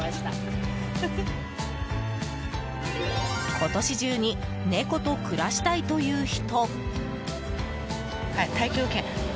今年中に猫と暮らしたいという人。